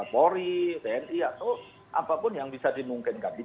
polri tni atau apapun yang bisa dimungkinkan